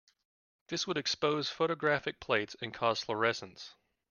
This would expose photographic plates and cause fluorescence.